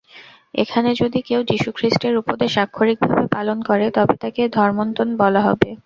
এখানে যদি কেউ যীশুখ্রীষ্টের উপদেশ আক্ষরিকভাবে পালন করে, তবে তাকে ধর্মোন্মত্ত বলা হবে।